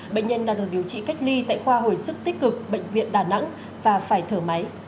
bệnh nhân đang được điều trị cách ly tại khoa hồi sức tích cực bệnh viện đà nẵng và phải thở máy